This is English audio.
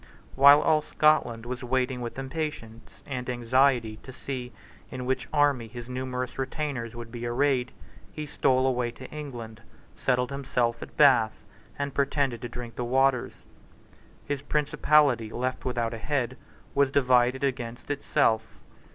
While all Scotland was waiting with impatience and anxiety to see in which army his numerous retainers would be arrayed, he stole away to England, settled himself at Bath, and pretended to drink the waters, His principality, left without a head, was divided against itself.